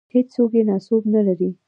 هېڅوک یې ناسوب نه لري.